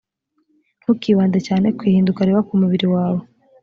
ntukibande cyane ku ihinduka riba ku mubiri wawe